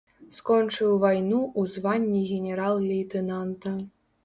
Скончыў вайну ў званні генерал-лейтэнанта.